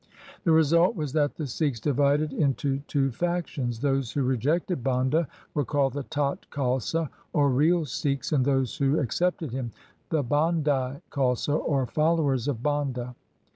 The result was that the Sikhs divided into two factions. Those who rejected Banda were called the Tat Khalsa, or real Sikhs, and those who accepted him, the Bandai Khalsa or followers of Banda.